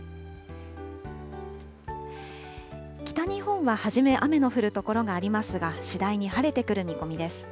北日本は初め雨の降る所がありますが、次第に晴れてくる見込みです。